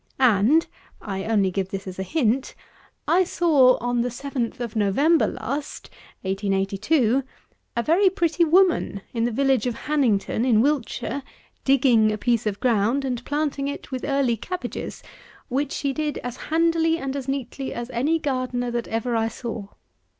And (I only give this as a hint) I saw, on the 7th of November last (1822,) a very pretty woman, in the village of Hannington, in Wiltshire, digging a piece of ground and planting it with Early Cabbages, which she did as handily and as neatly as any gardener that ever I saw.